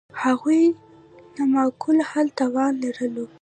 هغوی د معقول حل توان لرلو.